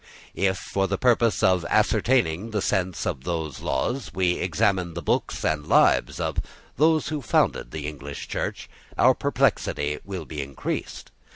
If, for the purpose of ascertaining the sense of those laws, we examine the books and lives of those who founded the English Church, our perplexity will be increased.